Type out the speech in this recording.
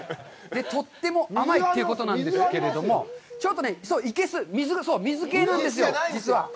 とっても甘いということなんですけれども、ちょっとね、生けす、水系なんですよ。